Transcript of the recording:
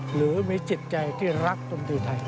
หรือมีจิตใจที่รักดนตรีไทย